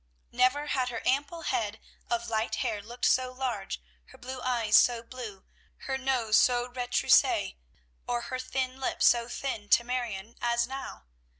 Never had her ample head of light hair looked so large, her blue eyes so blue, her nose so retroussé, or her thin lips so thin, to Marion, as now.